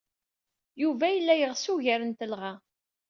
Yuba yella yeɣs ugar n telɣa.